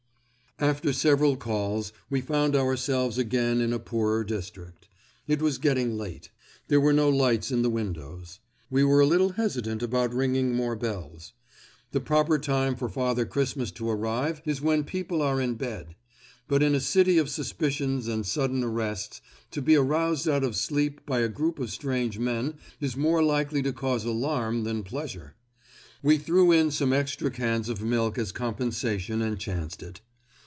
After several calls we found ourselves again in a poorer district. It was getting late. There were no lights in the windows. We were a little hesitant about ringing more bells. The proper time for Father Christmas to arrive is when people are in bed; but in a city of suspicions and sudden arrests to be roused out of sleep by a group of strange men is more likely to cause alarm than pleasure. We threw in some extra cans of milk as compensation and chanced it.